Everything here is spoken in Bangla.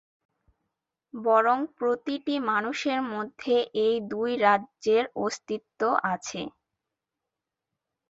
বরং প্রতিটি মানুষের মধ্যেই এই দুই রাজ্যের অস্তিত্ব আছে।